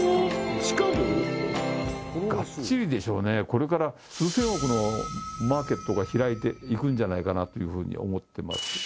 しかもこれから数千億のマーケットが開いていくんじゃないかなというふうに思ってます